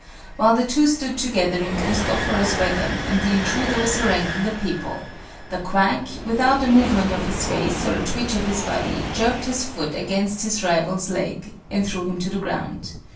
While the two stood together in Cristoforo's wagon, and the intruder was haranguing the people, the quack, without a movement of his face or a twitch of his body, jerked his foot against his rival's leg and threw him to the ground.